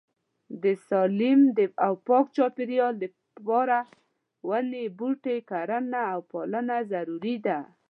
د سالیم او پاک چاپيريال د پاره وني بوټي کرنه او پالنه ضروري ده